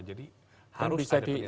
jadi harus ada biaya soalnya